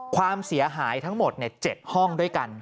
ความเสียหายทั้งหมด๗ห้องด้วยกัน